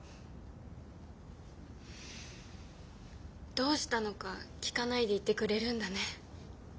どうしたのか聞かないでいてくれるんだね。